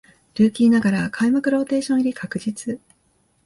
ルーキーながら開幕ローテーション入り確実